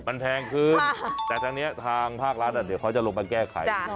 มันแพงขึ้นแต่ทางนี้ทางภาครัฐเดี๋ยวเขาจะลงมาแก้ไข